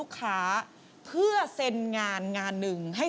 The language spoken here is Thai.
กับพอรู้ดวงชะตาของเขาแล้วนะครับ